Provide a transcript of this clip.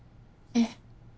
ええ。